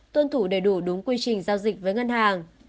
tuân thủ đầy đủ đúng quy trình giao dịch với ngân hàng